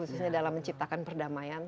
khususnya dalam menciptakan perdamaian